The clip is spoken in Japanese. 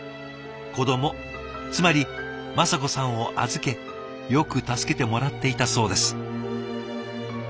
子どもつまり雅子さんを預けよく助けてもらっていたそうです。